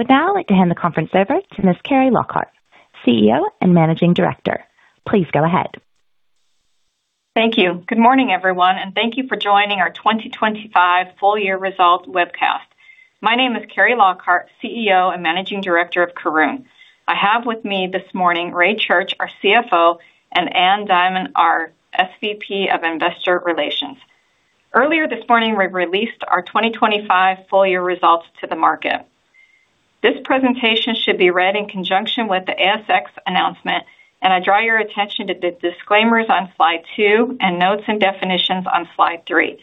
I would now like to hand the conference over to Ms. Carri Lockhart, CEO and Managing Director. Please go ahead. Thank you. Good morning, everyone, and thank you for joining our 2025 full year results webcast. My name is Carri Lockhart, CEO and Managing Director of Karoon. I have with me this morning, Ray Church, our CFO; and Ann Diamant, our SVP of Investor Relations. Earlier this morning, we released our 2025 full year results to the market. This presentation should be read in conjunction with the ASX announcement, and I draw your attention to the disclaimers on slide two and notes and definitions on slide three.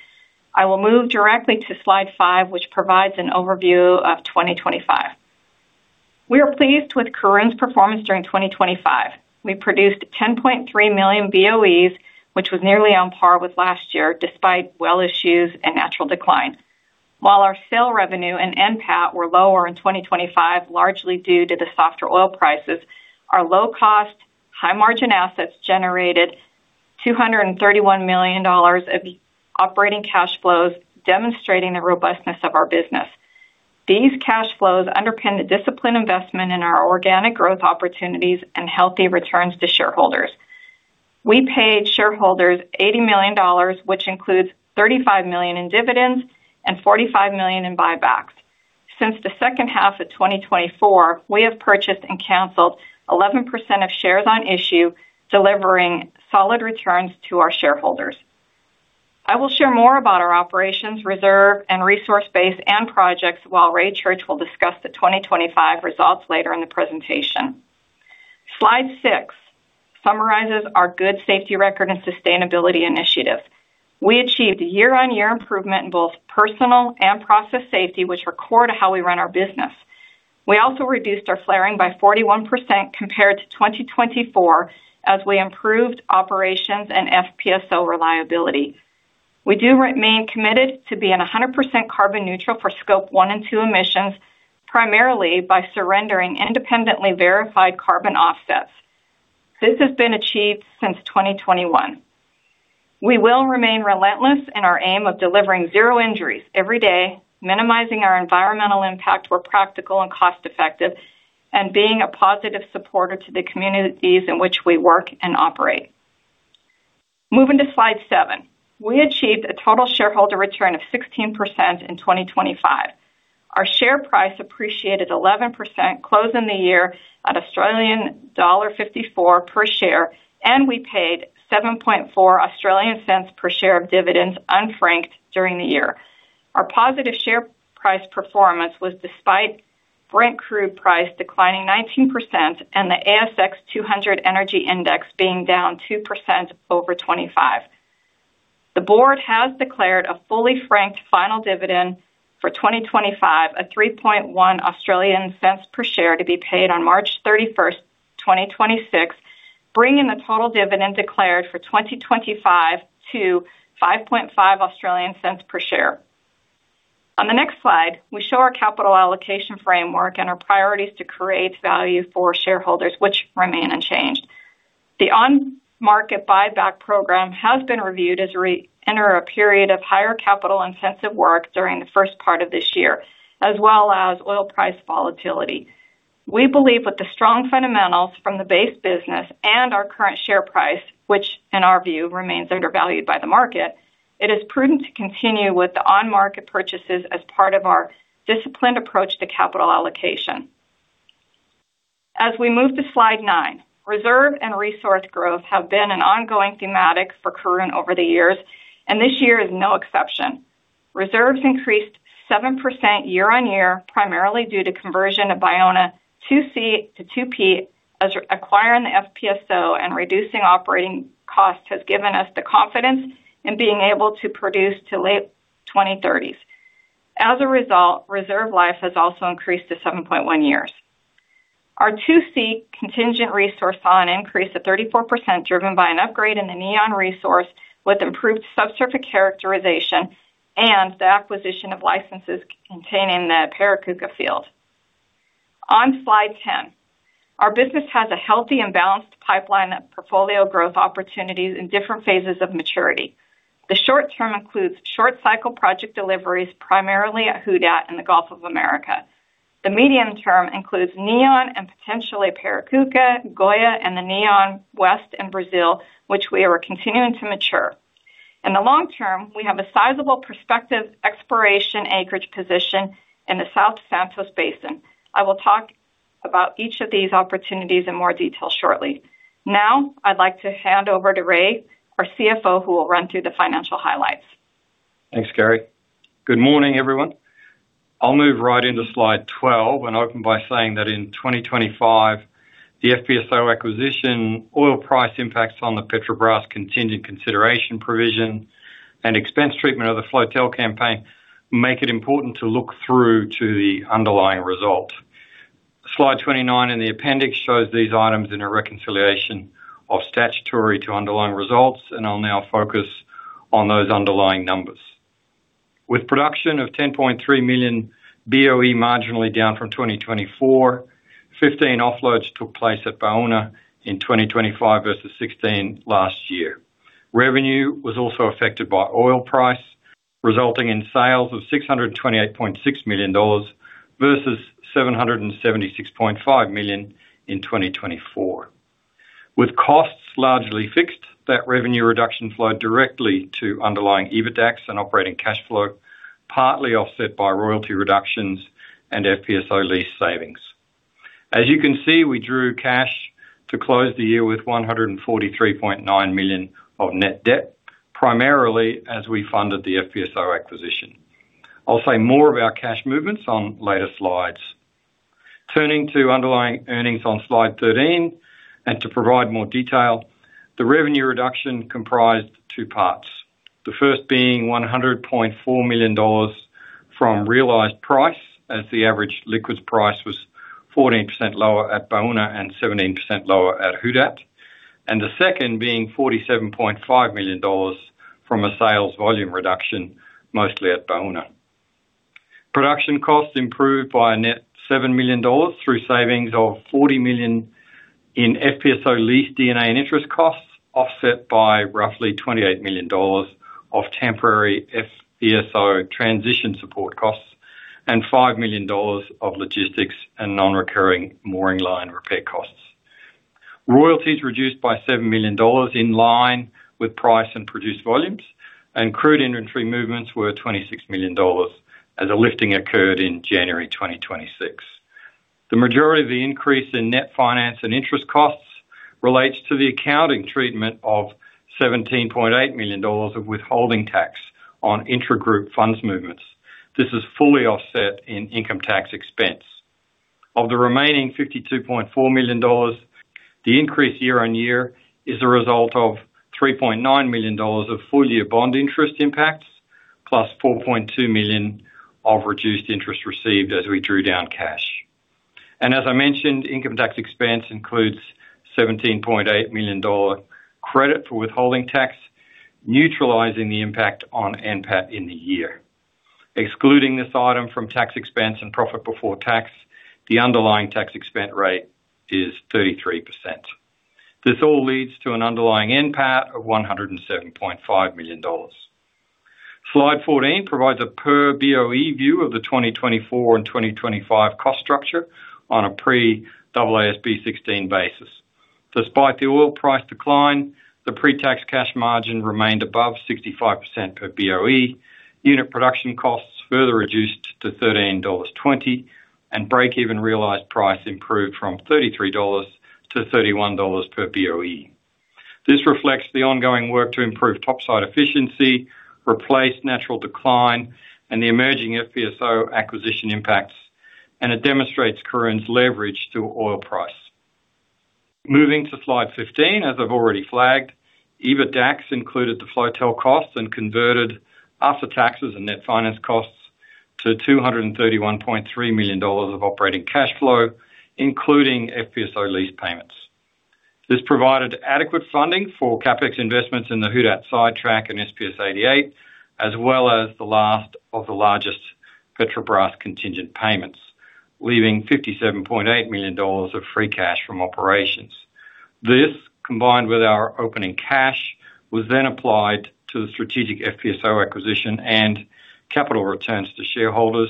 I will move directly to slide five, which provides an overview of 2025. We are pleased with Karoon's performance during 2025. We produced 10.3 million BOEs, which was nearly on par with last year, despite well issues and natural decline. While our sale revenue and NPAT were lower in 2025, largely due to the softer oil prices, our low cost, high margin assets generated $231 million of operating cash flows, demonstrating the robustness of our business. These cash flows underpin the disciplined investment in our organic growth opportunities and healthy returns to shareholders. We paid shareholders $80 million, which includes $35 million in dividends and $45 million in buybacks. Since the second half of 2024, we have purchased and canceled 11% of shares on issue, delivering solid returns to our shareholders. I will share more about our operations, reserve, and resource base and projects, while Ray Church will discuss the 2025 results later in the presentation. Slide six summarizes our good safety record and sustainability initiative. We achieved a year-on-year improvement in both personal and process safety, which are core to how we run our business. We also reduced our flaring by 41% compared to 2024 as we improved operations and FPSO reliability. We do remain committed to being 100% carbon neutral for Scope 1 and 2 emissions, primarily by surrendering independently verified carbon offsets. This has been achieved since 2021. We will remain relentless in our aim of delivering zero injuries every day, minimizing our environmental impact where practical and cost-effective, and being a positive supporter to the communities in which we work and operate. Moving to slide seven. We achieved a total shareholder return of 16% in 2025. Our share price appreciated 11%, closing the year at Australian dollar 54 per share. We paid 0.074 per share of dividends unfranked during the year. Our positive share price performance was despite Brent crude price declining 19% and the S&P/ASX 200 Energy Index being down 2% over 2025. The board has declared a fully franked final dividend for 2025, 0.031 per share to be paid on March 31st, 2026, bringing the total dividend declared for 2025 to 0.055 per share. On the next slide, we show our capital allocation framework and our priorities to create value for shareholders, which remain unchanged. The on-market buyback program has been reviewed as we enter a period of higher capital-intensive work during the first part of this year, as well as oil price volatility. We believe with the strong fundamentals from the base business and our current share price, which in our view remains undervalued by the market, it is prudent to continue with the on-market purchases as part of our disciplined approach to capital allocation. We move to slide nine, reserve and resource growth have been an ongoing thematic for Karoon over the years, and this year is no exception. Reserves increased 7% year-over-year, primarily due to conversion of Baúna 2C to 2P, as acquiring the FPSO and reducing operating costs has given us the confidence in being able to produce to late 2030s. As a result, reserve life has also increased to 7.1 years. Our 2C contingent resource saw an increase of 34%, driven by an upgrade in the Neon resource, with improved subsurface characterization and the acquisition of licenses containing the Piracucá field. On slide 10, our business has a healthy and balanced pipeline of portfolio growth opportunities in different phases of maturity. The short term includes short cycle project deliveries, primarily at Who Dat in the Gulf of America. The medium term includes Neon and potentially Piracucá, Goya, and the Neon West and Brazil, which we are continuing to mature. In the long term, we have a sizable prospective exploration acreage position in the South Santos Basin. I will talk about each of these opportunities in more detail shortly. I'd like to hand over to Ray, our CFO, who will run through the financial highlights. Thanks, Carri. Good morning, everyone. I'll move right into slide 12 and open by saying that in 2025, the FPSO acquisition, oil price impacts on the Petrobras contingent consideration provision and expense treatment of the Floatel campaign make it important to look through to the underlying result. Slide 29 in the appendix shows these items in a reconciliation of statutory to underlying results, and I'll now focus on those underlying numbers. With production of 10.3 million BOE, marginally down from 2024, 15 offloads took place at Baúna in 2025 versus 16 last year. Revenue was also affected by oil price resulting in sales of $628.6 million versus $776.5 million in 2024. With costs largely fixed, that revenue reduction flowed directly to underlying EBITDAX and operating cash flow, partly offset by royalty reductions and FPSO lease savings. As you can see, we drew cash to close the year with $143.9 million of net debt, primarily as we funded the FPSO acquisition. I'll say more of our cash movements on later slides. Turning to underlying earnings on slide 13. To provide more detail, the revenue reduction comprised two parts. The first being $100.4 million from realized price, as the average liquids price was 14% lower at Baúna and 17% lower at Who Dat. The second being $47.5 million from a sales volume reduction, mostly at Baúna. Production costs improved by a net $7 million through savings of $40 million in FPSO lease, DD&A, and interest costs, offset by roughly $28 million of temporary FPSO transition support costs and $5 million of logistics and non-recurring mooring line repair costs. Royalties reduced by $7 million in line with price and produced volumes, and crude inventory movements were $26 million as a lifting occurred in January 2026. The majority of the increase in net finance and interest costs relates to the accounting treatment of $17.8 million of withholding tax on intra-group funds movements. This is fully offset in income tax expense. Of the remaining $52.4 million, the increase year-on-year is a result of $3.9 million of full year bond interest impacts, $+4.2 million of reduced interest received as we drew down cash. As I mentioned, income tax expense includes a $17.8 million credit for withholding tax, neutralizing the impact on NPAT in the year. Excluding this item from tax expense and profit before tax, the underlying tax expense rate is 33%. This all leads to an underlying NPAT of $107.5 million. Slide 14 provides a per BOE view of the 2024 and 2025 cost structure on a pre-AASB 16 basis. Despite the oil price decline, the pre-tax cash margin remained above 65% per BOE. Unit production costs further reduced to $13.20, and break-even realized price improved from $33 to $31 per BOE. This reflects the ongoing work to improve top side efficiency, replace natural decline, and the emerging FPSO acquisition impacts, and it demonstrates Karoon's leverage to oil price. Moving to slide 15, as I've already flagged, EBITDAX included the Floatel costs and converted after taxes and net finance costs to $231.3 million of operating cash flow, including FPSO lease payments. This provided adequate funding for CapEx investments in the Who Dat sidetrack and SPS-88, as well as the last of the largest Petrobras contingent payments, leaving $57.8 million of free cash from operations. This, combined with our opening cash, was then applied to the strategic FPSO acquisition and capital returns to shareholders,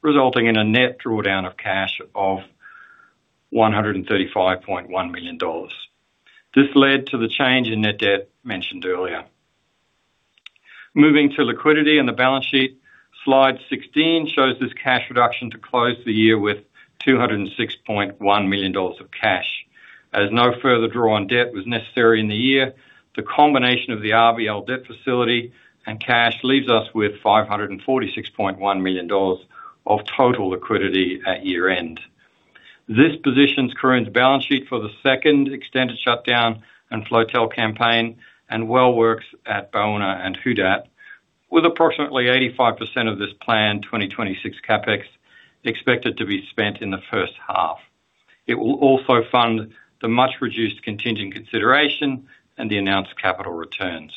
resulting in a net drawdown of cash of $135.1 million. This led to the change in net debt mentioned earlier. Moving to liquidity and the balance sheet. Slide 16 shows this cash reduction to close the year with $206.1 million of cash. As no further draw on debt was necessary in the year, the combination of the RBL debt facility and cash leaves us with $546.1 million of total liquidity at year-end. This positions Karoon's balance sheet for the second extended shutdown and Floatel campaign and well works at Baúna and Who Dat, with approximately 85% of this planned 2026 CapEx expected to be spent in the first half. It will also fund the much-reduced contingent consideration and the announced capital returns.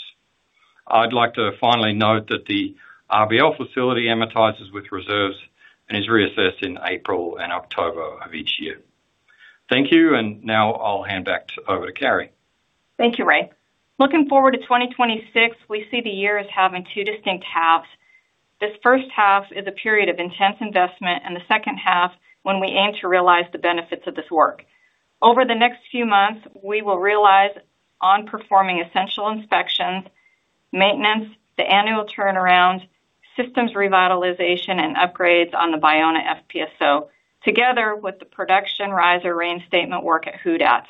I'd like to finally note that the RBL facility amortizes with reserves and is reassessed in April and October of each year. Thank you. Now I'll hand back over to Carri. Thank you, Ray. Looking forward to 2026, we see the year as having two distinct halves. This first half is a period of intense investment and the second half, when we aim to realize the benefits of this work. Over the next few months, we will realize on performing essential inspections, maintenance, the annual turnaround, systems revitalization, and upgrades on the Baúna FPSO, together with the production riser reinstatement work at Who Dat.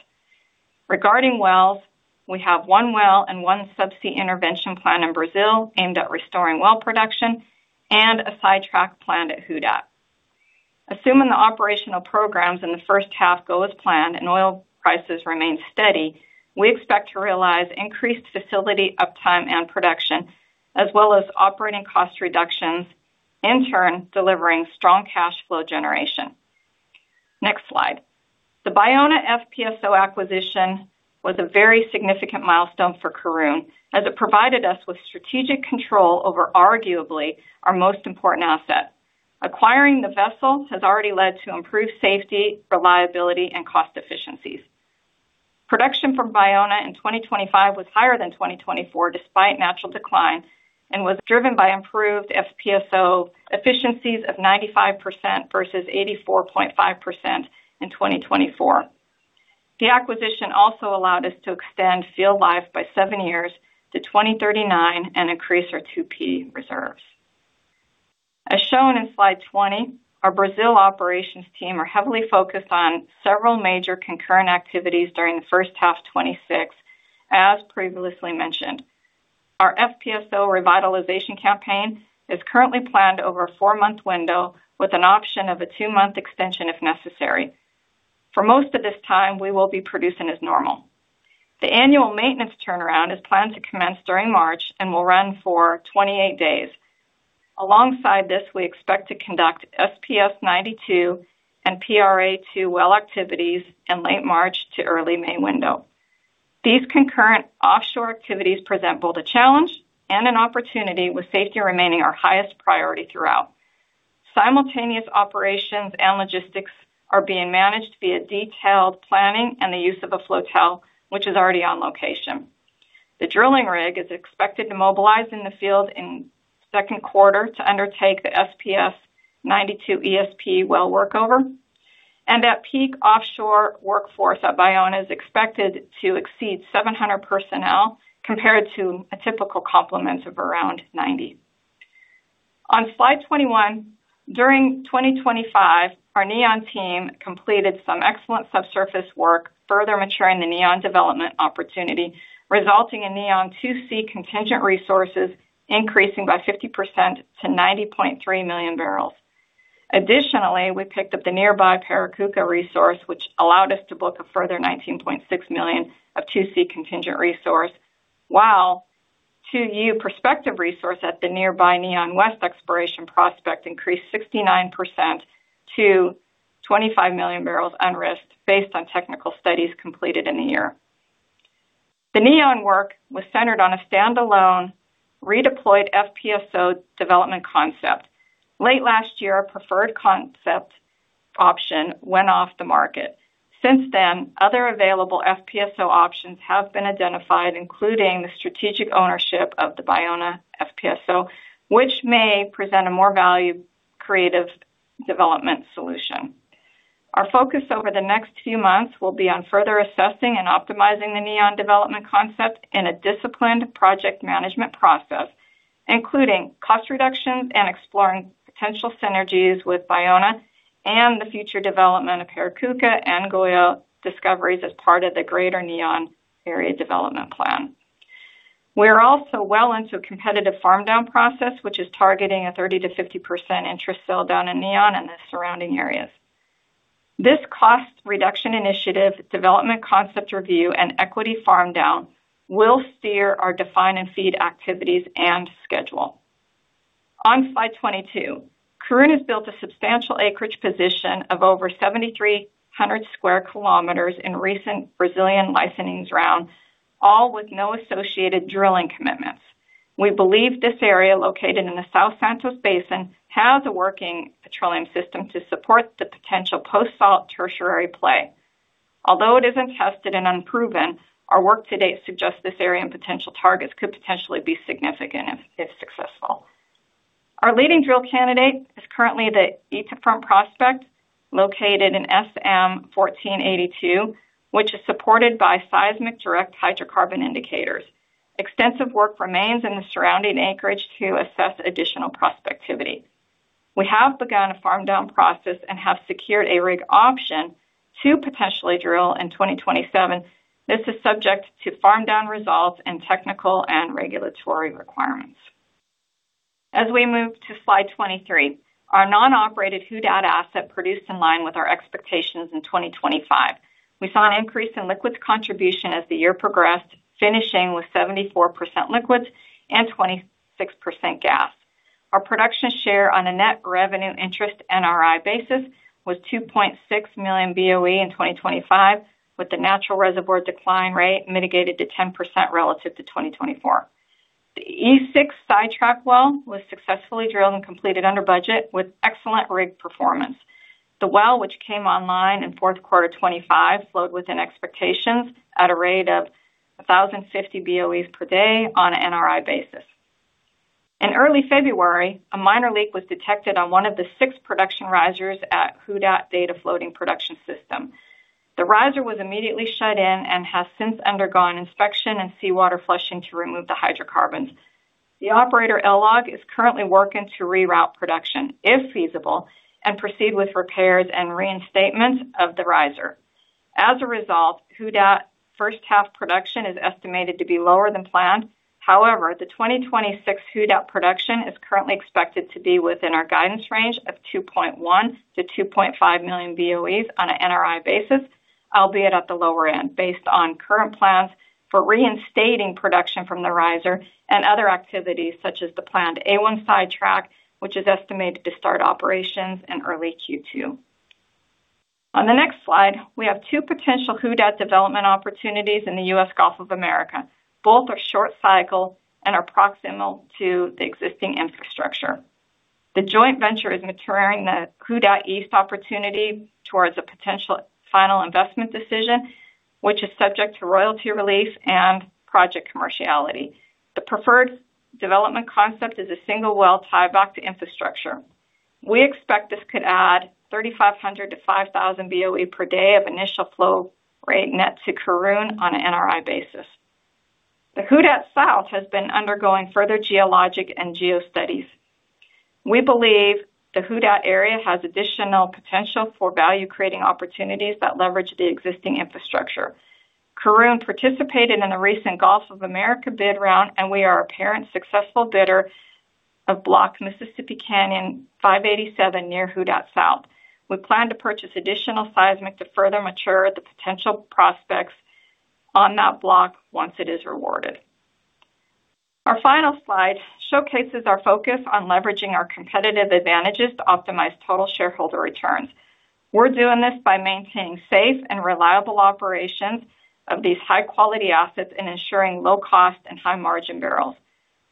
Regarding wells, we have one well and one subsea intervention plan in Brazil aimed at restoring well production and a sidetrack plan at Who Dat. Assuming the operational programs in the first half go as planned and oil prices remain steady, we expect to realize increased facility, uptime, and production, as well as operating cost reductions, in turn, delivering strong cash flow generation. Next slide. The Baúna FPSO acquisition was a very significant milestone for Karoon as it provided us with strategic control over arguably our most important asset. Acquiring the vessel has already led to improved safety, reliability, and cost efficiencies. Production from Baúna in 2025 was higher than 2024, despite natural decline, and was driven by improved FPSO efficiencies of 95% versus 84.5% in 2024. The acquisition also allowed us to extend field life by seven years to 2039 and increase our 2P reserves. As shown in slide 20, our Brazil operations team are heavily focused on several major concurrent activities during the first half 2026, as previously mentioned. Our FPSO revitalization campaign is currently planned over a four-month window, with an option of a two-month extension if necessary. For most of this time, we will be producing as normal. The annual maintenance turnaround is planned to commence during March and will run for 28 days. Alongside this, we expect to conduct FPSO 92 and PRA-2 well activities in late March to early May window. These concurrent offshore activities present both a challenge and an opportunity, with safety remaining our highest priority throughout. Simultaneous operations and logistics are being managed via detailed planning and the use of a Floatel, which is already on location. The drilling rig is expected to mobilize in the field in second quarter to undertake the FPSO 92 ESP well workover. Peak offshore workforce at Baúna is expected to exceed 700 personnel, compared to a typical complement of around 90. On slide 21, during 2025, our Neon team completed some excellent subsurface work, further maturing the Neon development opportunity, resulting in Neon 2C contingent resources increasing by 50% to 90.3 million barrels. Additionally, we picked up the nearby Piracucá resource, which allowed us to book a further 19.6 million barrels of 2C contingent resource, while 2U prospective resource at the nearby Neon West exploration prospect increased 69% to 25 million barrels unrisked based on technical studies completed in the year. The Neon work was centered on a standalone redeployed FPSO development concept. Late last year, a preferred concept option went off the market. Since then, other available FPSO options have been identified, including the strategic ownership of the Baúna FPSO, which may present a more value creative development solution. Our focus over the next few months will be on further assessing and optimizing the Neon development concept in a disciplined project management process, including cost reductions and exploring potential synergies with Baúna and the future development of Piracucá and Goya discoveries as part of the greater Neon area development plan. We're also well into a competitive farm down process, which is targeting a 30%-50% interest sale down in Neon and the surrounding areas. This cost reduction initiative, development concept review, and equity farm down will steer our define and FEED activities and schedule. On slide 22, Karoon has built a substantial acreage position of over 7,300 square kilometers in recent Brazilian licensing rounds, all with no associated drilling commitments. We believe this area, located in the South Santos Basin, has a working petroleum system to support the potential post-salt tertiary play. Although it isn't tested and unproven, our work to date suggests this area and potential targets could potentially be significant if successful. Our leading drill candidate is currently the Eta Front prospect, located in S-M-1482, which is supported by seismic direct hydrocarbon indicators. Extensive work remains in the surrounding anchorage to assess additional prospectivity. We have begun a farm down process and have secured a rig option to potentially drill in 2027. This is subject to farm down results and technical and regulatory requirements. As we move to slide 23, our non-operated Who Dat asset produced in line with our expectations in 2025. We saw an increase in liquids contribution as the year progressed, finishing with 74% liquids and 26% gas. Our production share on a net revenue interest NRI basis was 2.6 million BOE in 2025, with the natural reservoir decline rate mitigated to 10% relative to 2024. The E6 sidetrack well was successfully drilled and completed under budget with excellent rig performance. The well, which came online in fourth quarter 2025, flowed within expectations at a rate of 1,050 BOEs per day on an NRI basis. In early February, a minor leak was detected on one of the six production risers at Who Dat floating production system. The riser was immediately shut in and has since undergone inspection and seawater flushing to remove the hydrocarbons. The operator, LLOG, is currently working to reroute production, if feasible, and proceed with repairs and reinstatement of the riser. As a result, Who Dat first half production is estimated to be lower than planned. The 2026 Who Dat production is currently expected to be within our guidance range of 2.1 million-2.5 million BOEs on an NRI basis, albeit at the lower end, based on current plans for reinstating production from the riser and other activities such as the planned A1 sidetrack, which is estimated to start operations in early Q2. On the next slide, we have two potential Who Dat development opportunities in the U.S. Gulf of America. Both are short cycle and are proximal to the existing infrastructure. The joint venture is maturing the Who Dat East opportunity towards a potential final investment decision, which is subject to royalty relief and project commerciality. The preferred development concept is a single well tieback to infrastructure. We expect this could add 3,500-5,000 BOE per day of initial flow rate net to Karoon on an NRI basis. The Who Dat South has been undergoing further geologic and geo studies. We believe the Who Dat area has additional potential for value-creating opportunities that leverage the existing infrastructure. Karoon participated in the recent Gulf of America bid round. We are apparent successful bidder of Block Mississippi Canyon 587 near Who Dat South. We plan to purchase additional seismic to further mature the potential prospects on that block once it is rewarded. Our final slide showcases our focus on leveraging our competitive advantages to optimize total shareholder returns. We're doing this by maintaining safe and reliable operations of these high-quality assets and ensuring low cost and high-margin barrels.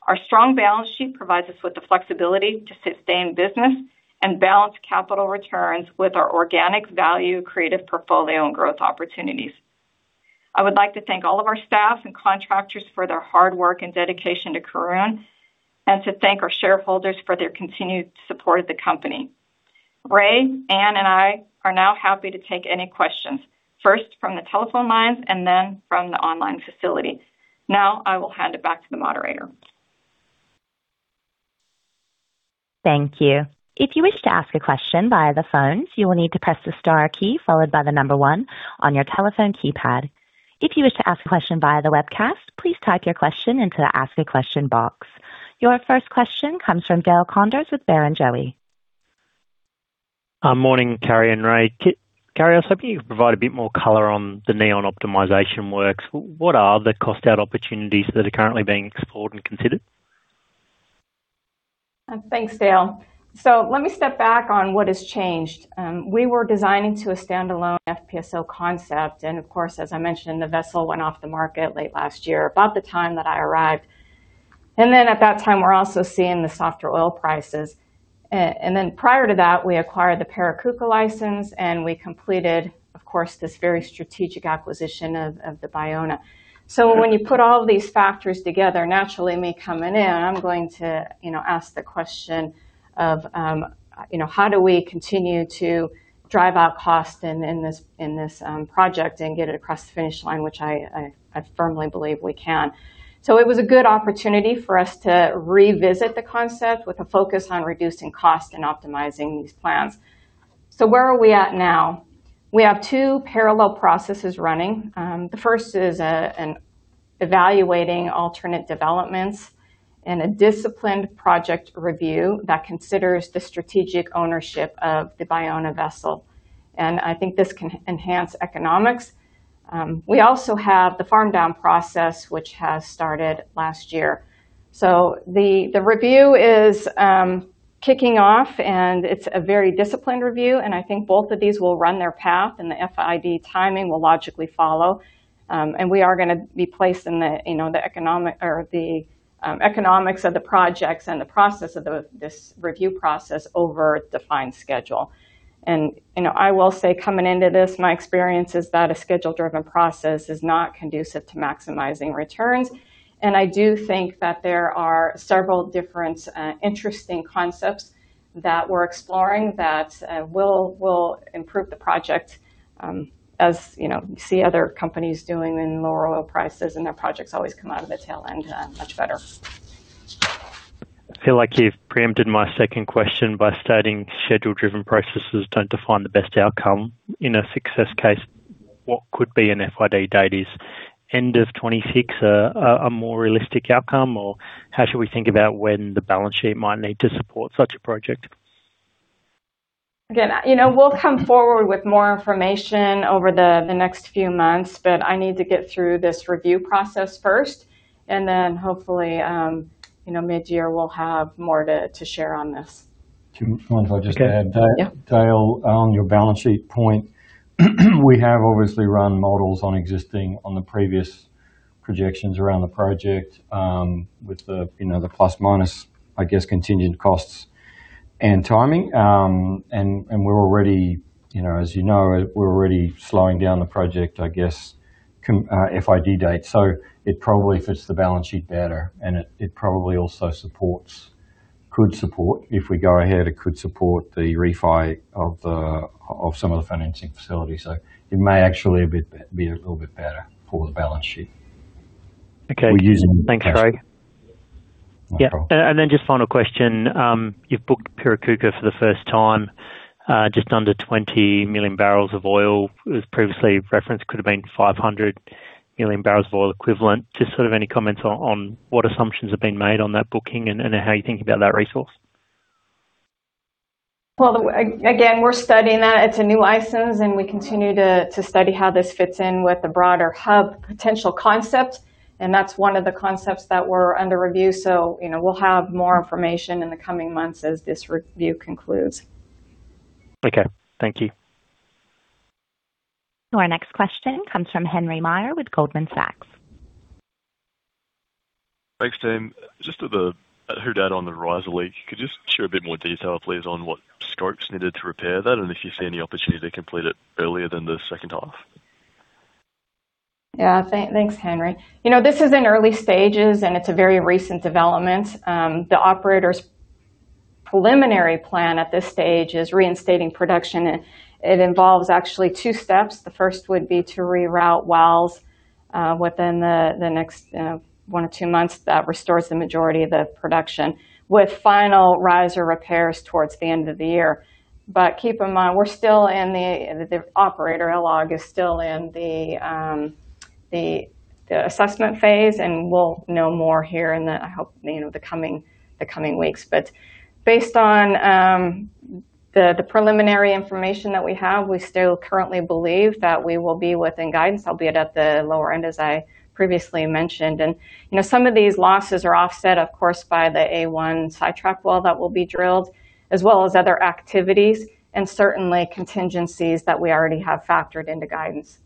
Our strong balance sheet provides us with the flexibility to sustain business and balance capital returns with our organic value creative portfolio and growth opportunities. I would like to thank all of our staff and contractors for their hard work and dedication to Karoon, and to thank our shareholders for their continued support of the company. Ray, Ann, and I are now happy to take any questions, first from the telephone lines and then from the online facility. I will hand it back to the moderator. Thank you. If you wish to ask a question via the phones, you will need to press the star key followed by the number one on your telephone keypad. If you wish to ask a question via the webcast, please type your question into the Ask a Question box. Your first question comes from Dale Koenders with Barrenjoey. Morning, Carri and Ray. Carri, I was hoping you could provide a bit more color on the Neon optimization works. What are the cost out opportunities that are currently being explored and considered? Thanks, Dale. Let me step back on what has changed. We were designing to a standalone FPSO concept. Of course, as I mentioned, the vessel went off the market late last year, about the time that I arrived. At that time, we're also seeing the softer oil prices. Prior to that, we acquired the Piracucá license. We completed, of course, this very strategic acquisition of the Baúna. When you put all these factors together, naturally, me coming in, I'm going to, you know, ask the question of, you know, how do we continue to drive out cost in this project and get it across the finish line, which I firmly believe we can. It was a good opportunity for us to revisit the concept with a focus on reducing costs and optimizing these plans. Where are we at now? We have two parallel processes running. The first is an evaluating alternate developments and a disciplined project review that considers the strategic ownership of the Baúna vessel. I think this can enhance economics. We also have the farm down process, which has started last year. The review is kicking off, and it's a very disciplined review, and I think both of these will run their path, and the FID timing will logically follow. And we are gonna be placed in the, you know, the economic or the economics of the projects and the process of this review process over defined schedule. You know, I will say, coming into this, my experience is that a schedule-driven process is not conducive to maximizing returns. I do think that there are several different interesting concepts that we're exploring that will improve the project, as, you know, we see other companies doing in lower oil prices, and their projects always come out of the tail end much better. I feel like you've preempted my second question by stating schedule-driven processes don't define the best outcome. In a success case, what could be an FID date? Is end of 2026 a more realistic outcome, or how should we think about when the balance sheet might need to support such a project? You know, we'll come forward with more information over the next few months. I need to get through this review process first. Hopefully, you know, mid-year, we'll have more to share on this. Do you mind if I just add to that? Yeah. Dale, on your balance sheet point, we have obviously run models on existing, on the previous projections around the project, with the, you know, the plus, minus, I guess, continued costs and timing. We're already, you know, as you know, we're already slowing down the project, I guess, FID date. It probably fits the balance sheet better, and it probably also could support, if we go ahead, it could support the refi of some of the financing facilities. It may actually be a little bit better for the balance sheet. Okay. We're using- Thanks, Ray. No problem. Yeah, then just final question? You've booked Piracucá for the first time, just under 20 million barrels of oil. It was previously referenced, could have been 500 million barrels of oil equivalent. Just sort of any comments on what assumptions have been made on that booking and how you think about that resource? Again, we're studying that. It's a new license, and we continue to study how this fits in with the broader hub potential concept, and that's one of the concepts that we're under review. You know, we'll have more information in the coming months as this review concludes. Okay. Thank you. Our next question comes from Henry Meyer with Goldman Sachs. Thanks, team. Just at the Who Dat on the riser leak, could you just share a bit more detail, please, on what scopes needed to repair that, and if you see any opportunity to complete it earlier than the second half? Thanks, Henry. You know, this is in early stages, and it's a very recent development. The operator's preliminary plan at this stage is reinstating production. It involves actually two steps. The first would be to reroute wells within the next one to two months. That restores the majority of the production, with final riser repairs towards the end of the year. Keep in mind, we're still in the operator LLOG is still in the assessment phase, and we'll know more here in the, I hope, you know, the coming weeks. Based on the preliminary information that we have, we still currently believe that we will be within guidance, albeit at the lower end, as I previously mentioned. You know, some of these losses are offset, of course, by the A1 sidetrack well that will be drilled, as well as other activities and certainly contingencies that we already have factored into guidance.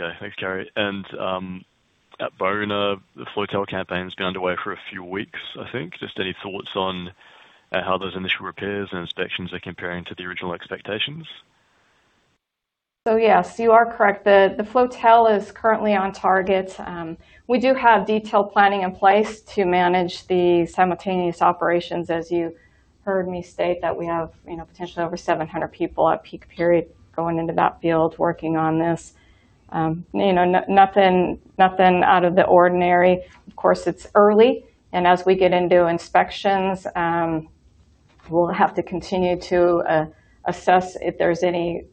Okay. Thanks, Carri. At Baúna, the Floatel campaign's been underway for a few weeks, I think. Just any thoughts on how those initial repairs and inspections are comparing to the original expectations? Yes, you are correct. The Floatel is currently on target. We do have detailed planning in place to manage the simultaneous operations, as you heard me state, that we have, you know, potentially over 700 people at peak period going into that field working on this. You know, nothing out of the ordinary. Of course, it's early, and as we get into inspections, we'll have to continue to assess if there's any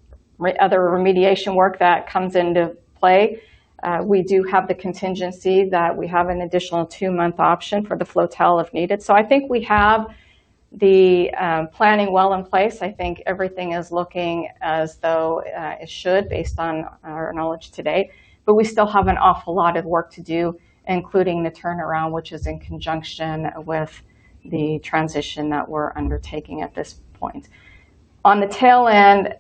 other remediation work that comes into play. We do have the contingency that we have an additional two-month option for the Floatel if needed. I think we have the planning well in place. I think everything is looking as though it should, based on our knowledge today. We still have an awful lot of work to do, including the turnaround, which is in conjunction with the transition that we're undertaking at this point. On the tail end,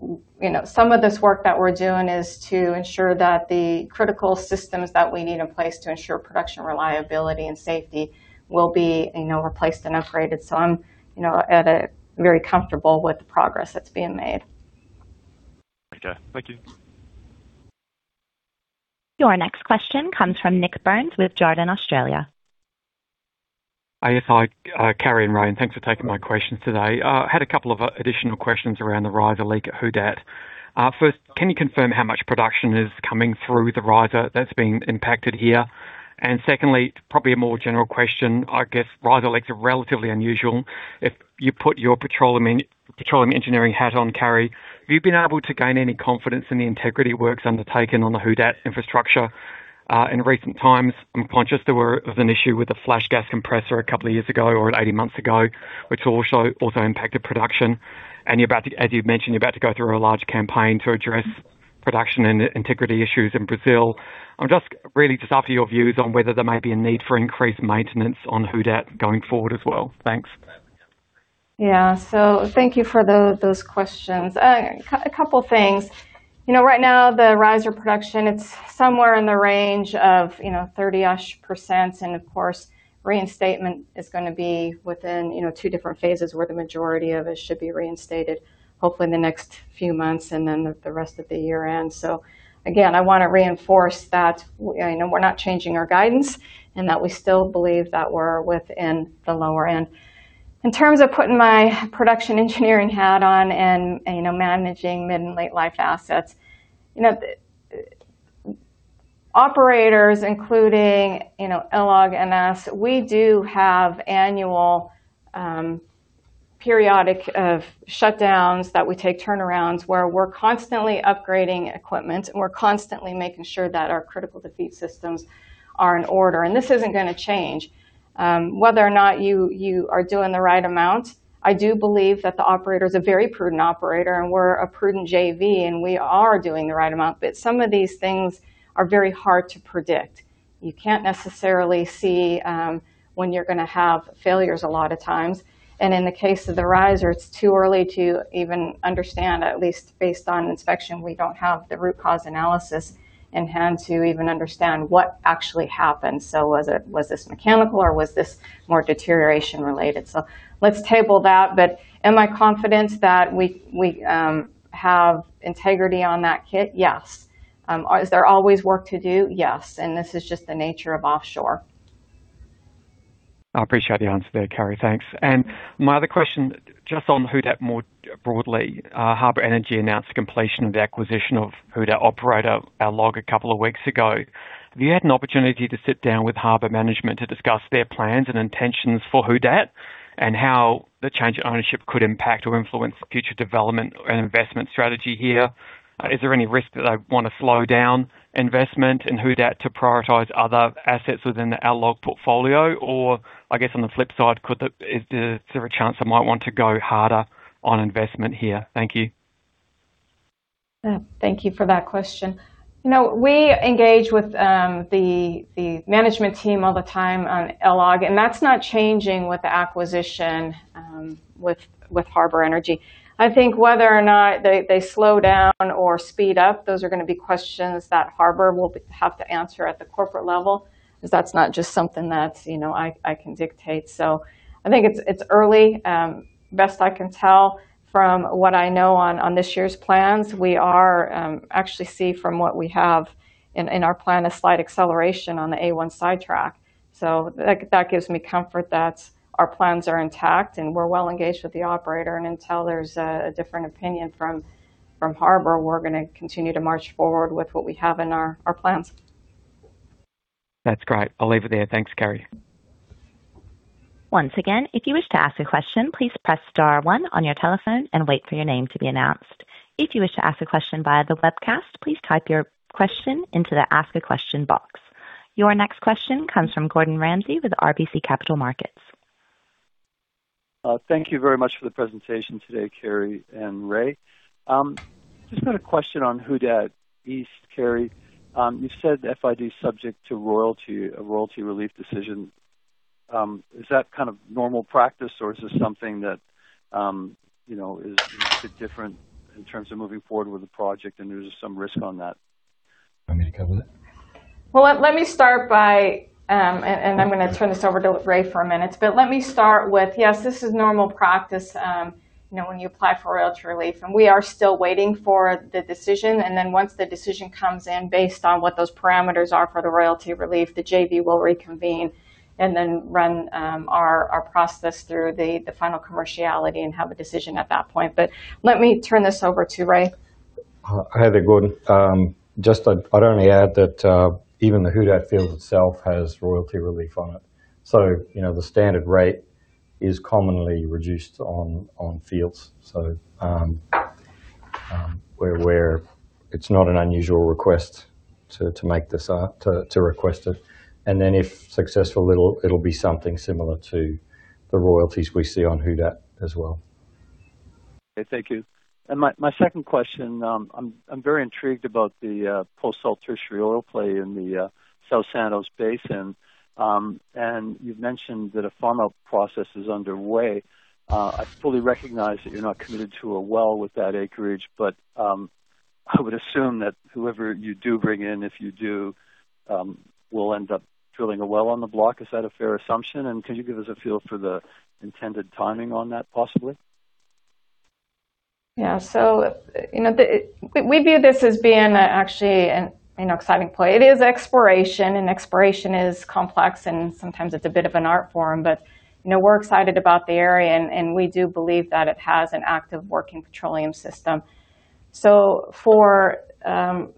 you know, some of this work that we're doing is to ensure that the critical systems that we need in place to ensure production, reliability, and safety will be, you know, replaced and upgraded. I'm, you know, at a very comfortable with the progress that's being made. Okay. Thank you. Your next question comes from Nik Burns with Jarden Australia. Hi, Carri and Ray thanks for taking my questions today. I had a couple of additional questions around the riser leak at Who Dat. First, can you confirm how much production is coming through the riser that's been impacted here? Secondly, probably a more general question, I guess riser leaks are relatively unusual. If you put your petroleum engineering hat on, Carri, have you been able to gain any confidence in the integrity works undertaken on the Who Dat infrastructure in recent times? I'm conscious there was an issue with the flash gas compressor a couple of years ago or 80 months ago, which also impacted production. As you've mentioned, you're about to go through a large campaign to address production and integrity issues in Brazil. I'm just really just after your views on whether there might be a need for increased maintenance on Who Dat going forward as well. Thanks. Thank you for those questions. A couple things. You know, right now, the riser production, it's somewhere in the range of, you know, 30%-ish. Of course, reinstatement is gonna be within, you know, two different phases, where the majority of it should be reinstated, hopefully in the next few months and then the rest of the year end. Again, I wanna reinforce that, you know, we're not changing our guidance, and that we still believe that we're within the lower end. In terms of putting my production engineering hat on and, you know, managing mid and late life assets, you know, operators, including, you know, LLOG and us, we do have annual periodic of shutdowns that we take turnarounds, where we're constantly upgrading equipment, and we're constantly making sure that our critical defeat systems are in order, and this isn't gonna change. Whether or not you are doing the right amount, I do believe that the operator is a very prudent operator, and we're a prudent JV, and we are doing the right amount. Some of these things are very hard to predict. You can't necessarily see when you're gonna have failures a lot of times. In the case of the riser, it's too early to even understand, at least based on inspection, we don't have the root cause analysis in hand to even understand what actually happened. Was it, was this mechanical, or was this more deterioration-related? Let's table that. Am I confident that we have integrity on that kit? Yes. Is there always work to do? Yes, this is just the nature of offshore. I appreciate the answer there, Carri. Thanks. My other question, just on Who Dat more broadly, Harbour Energy announced completion of the acquisition of Who Dat operator, LLOG, a couple of weeks ago. Have you had an opportunity to sit down with Harbour management to discuss their plans and intentions for Who Dat and how the change in ownership could impact or influence future development and investment strategy here? Is there any risk that they want to slow down investment in Who Dat to prioritize other assets within the LLOG portfolio? I guess on the flip side, could the, is there a chance they might want to go harder on investment here? Thank you. Thank you for that question. You know, we engage with the management team all the time on LLOG, and that's not changing with the acquisition with Harbour Energy. I think whether or not they slow down or speed up, those are gonna be questions that Harbour Energy will have to answer at the corporate level, 'cause that's not just something that, you know, I can dictate. I think it's early. Best I can tell from what I know on this year's plans, we are actually see from what we have in our plan, a slight acceleration on the A1 sidetrack. That gives me comfort that our plans are intact, and we're well engaged with the operator. Until there's a different opinion from Harbour, we're gonna continue to march forward with what we have in our plans. That's great. I'll leave it there. Thanks, Carri. Once again, if you wish to ask a question, please press star one on your telephone and wait for your name to be announced. If you wish to ask a question via the webcast, please type your question into the Ask a Question box. Your next question comes from Gordon Ramsay with RBC Capital Markets. Thank you very much for the presentation today, Carri and Ray. Just got a question on Who Dat East, Carri. You said FID is subject to royalty, a royalty relief decision. Is that kind of normal practice, or is this something that, you know, is a bit different in terms of moving forward with the project and there's some risk on that? You want me to cover that? Let me start by. I'm gonna turn this over to Ray for a minute. Let me start with, yes, this is normal practice, you know, when you apply for royalty relief. We are still waiting for the decision, and then once the decision comes in, based on what those parameters are for the royalty relief, the JV will reconvene and then run our process through the final commerciality and have a decision at that point. Let me turn this over to Ray. Hi there, Gordon. I'd only add that even the Who Dat field itself has royalty relief on it. You know, the standard rate is commonly reduced on fields. Where it's not an unusual request to make this, to request it. If successful, it'll be something similar to the royalties we see on Who Dat as well. Okay, thank you. My second question, I'm very intrigued about the post-salt tertiary play in the South Santos Basin. You've mentioned that a farmout process is underway. I fully recognize that you're not committed to a well with that acreage, but I would assume that whoever you do bring in, if you do, will end up drilling a well on the block. Is that a fair assumption? Can you give us a feel for the intended timing on that, possibly? Yeah. You know, we view this as being actually an, you know, exciting play. It is exploration, and exploration is complex, and sometimes it's a bit of an art form. You know, we're excited about the area, and we do believe that it has an active working petroleum system. For the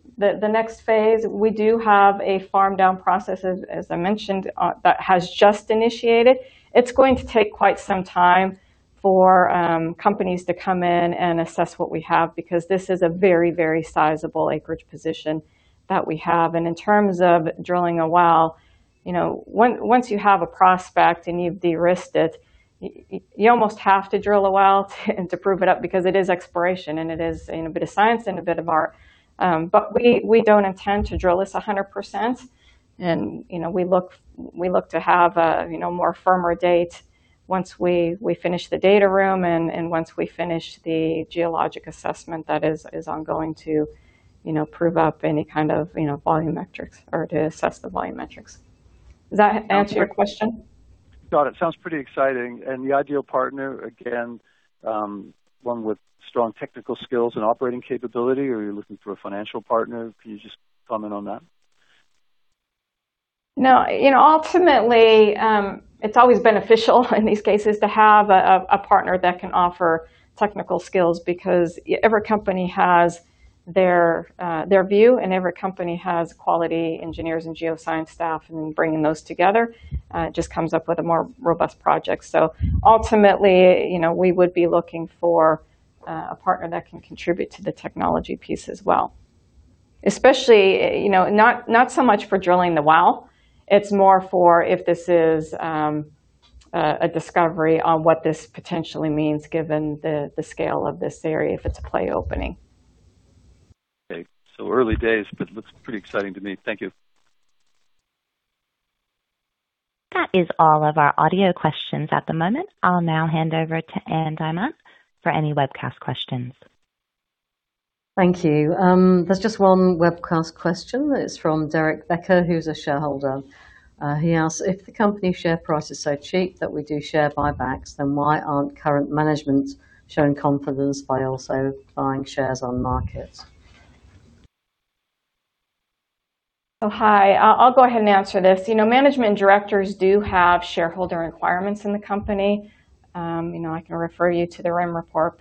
next phase, we do have a farm down process, as I mentioned, that has just initiated. It's going to take quite some time for companies to come in and assess what we have, because this is a very, very sizable acreage position that we have. In terms of drilling a well, you know, once you have a prospect and you've de-risked it, you almost have to drill a well to, and to prove it up, because it is exploration, and it is, you know, a bit of science and a bit of art. We don't intend to drill this 100% and, you know, we look to have a, you know, more firmer date once we finish the data room and once we finish the geologic assessment that is ongoing to, you know, prove up any kind of, you know, volume metrics or to assess the volume metrics. Does that answer your question? Got it. Sounds pretty exciting. The ideal partner, again, one with strong technical skills and operating capability, or you're looking for a financial partner? Can you just comment on that? No. You know, ultimately, it's always beneficial in these cases to have a partner that can offer technical skills, because every company has their view, and every company has quality engineers and geoscience staff, and bringing those together, just comes up with a more robust project. Ultimately, you know, we would be looking for a partner that can contribute to the technology piece as well. Especially, you know, not so much for drilling the well, it's more for if this is a discovery on what this potentially means, given the scale of this area, if it's a play opening. Okay. Early days, but looks pretty exciting to me. Thank you. That is all of our audio questions at the moment. I'll now hand over to Ann Diamant for any webcast questions. Thank you. There's just one webcast question. It's from Derek Becker, who's a shareholder. He asks: If the company share price is so cheap that we do share buybacks, why aren't current management showing confidence by also buying shares on market? Oh, hi, I'll go ahead and answer this. You know, management directors do have shareholder requirements in the company. You know, I can refer you to the RIM report,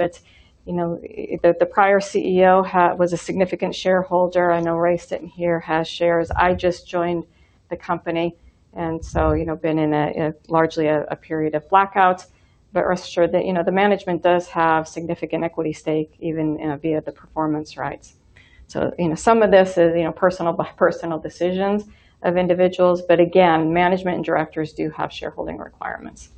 you know, the prior CEO was a significant shareholder. I know Ray, sitting here, has shares. I just joined the company, you know, been in a largely a period of blackouts. Rest assured that, you know, the management does have significant equity stake, even, you know, via the performance rights. You know, some of this is, you know, personal by personal decisions of individuals, but again, management and directors do have shareholding requirements.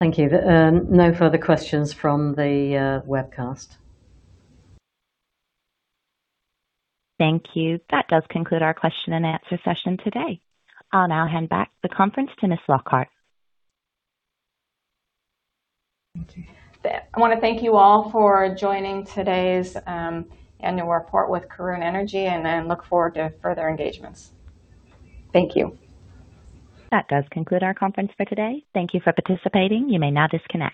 Thank you. No further questions from the webcast. Thank you. That does conclude our question and answer session today. I'll now hand back the conference to Miss Lockhart. Thank you. I wanna thank you all for joining today's annual report with Karoon Energy, and I look forward to further engagements. Thank you. That does conclude our conference for today. Thank you for participating. You may now disconnect.